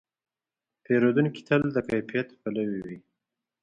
پیرودونکی تل د کیفیت پلوي وي.